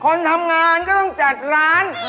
คนทำงานก็ต้องจัดร้าน